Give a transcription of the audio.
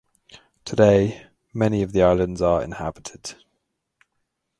Today, many of the islands are inhabited.